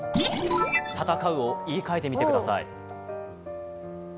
戦うを言いかえてください。